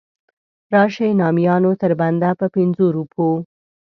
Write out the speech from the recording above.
راشئ نامیانو تر بنده په پنځو روپو.